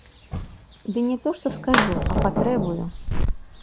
Ды не то што скажу, а патрэбую.